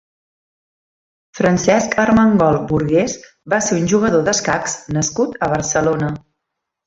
Francesc Armengol Burgués va ser un jugador d'escacs nascut a Barcelona.